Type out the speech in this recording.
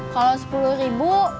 kalau sepuluh ribu